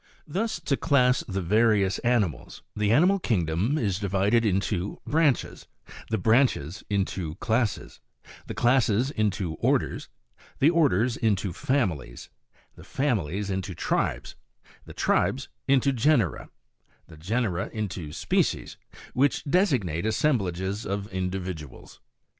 8. Thus, to class the various animals, the animal kingdom is divided into Branches; the branches into Classes; the classes into Orders; the orders into Families ; the families into Tribes; the tribes into Genera ; the genera into Species, which designate assemblages of individuals.